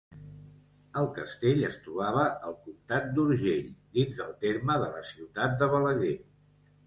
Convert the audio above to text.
El castell es trobava al comtat d'Urgell, dins el terme de la ciutat de Balaguer.